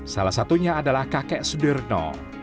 salah satunya adalah kakek sudirno